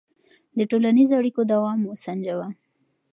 د ټولنیزو اړیکو دوام وسنجوه.